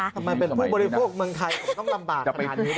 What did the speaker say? ทำไมเป็นผู้บริโภคเมืองไทยถึงต้องลำบากขนาดนี้